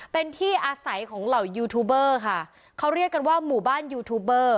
เป็นที่อาศัยของเหล่ายูทูบเบอร์ค่ะเขาเรียกกันว่าหมู่บ้านยูทูบเบอร์